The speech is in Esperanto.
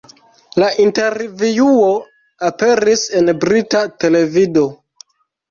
La intervjuo aperis en brita televido.